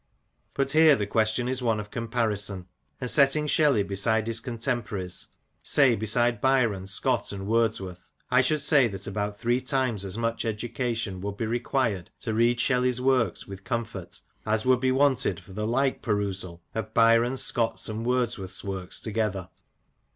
But here the question is one of comparison ; and setting Shelley beside his contemporaries — say beside Byron, Scott, and Wordsworth — I should say that about three times as much education would be required to read Shelley's works with comfort as would be wanted for the like perusal of Byron's, Scott's, and Wordsworth's works together.